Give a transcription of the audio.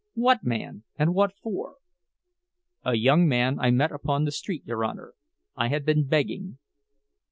What man, and what for?" "A young man I met upon the street, your Honor. I had been begging."